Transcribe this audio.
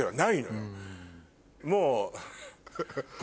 もう。